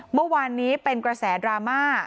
เมื่อวานนี้เป็นกระแสดราม่า